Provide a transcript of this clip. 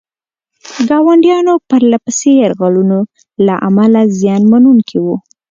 ګاونډیانو پرله پسې یرغلونو له امله زیان منونکي وو.